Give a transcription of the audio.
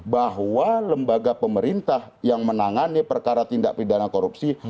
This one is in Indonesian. bahwa lembaga pemerintah yang menangani perkara tindak pidana korupsi